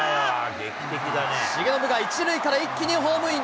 重信が１塁から一気にホームイン。